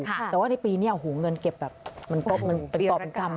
แต่ว่าในปีนี้เงินเก็บแบบมันปลอบมันกำ